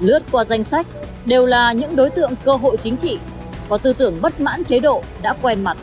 lướt qua danh sách đều là những đối tượng cơ hội chính trị có tư tưởng bất mãn chế độ đã quen mặt